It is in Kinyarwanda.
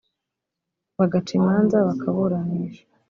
bagaca imanza bakaburanisha